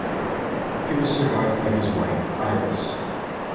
He was survived by his wife, Iris.